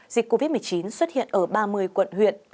dịch covid một mươi chín xuất hiện ở ba mươi quận huyện